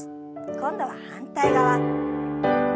今度は反対側。